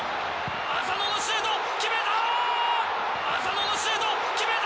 浅野のシュート、決めた。